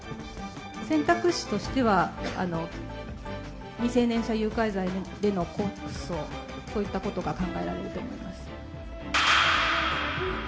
選択肢としては、未成年者誘拐罪での告訴といったことが考えられると思います。